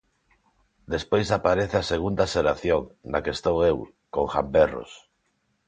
Despois aparece a segunda xeración, na que estou eu, con Ghamberros.